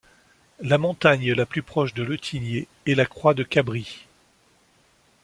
La montagne la plus proche de Le Tignet est La Croix de Cabris.